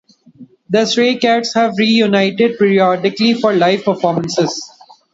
The Stray Cats have reunited periodically for live performances.